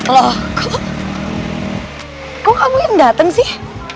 loh kok kok kamu yang dateng sih